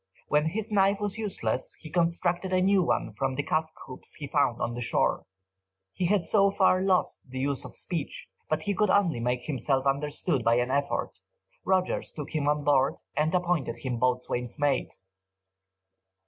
When his knife was useless, he constructed a new one from the cask hoops he found on the shore. He had so far lost the use of speech, that he could only make himself understood by an effort. Rogers took him on board, and appointed him boatswain's mate.